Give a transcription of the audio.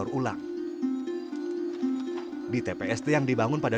satu nilai medan tertenunai